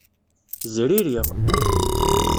Zririɣ.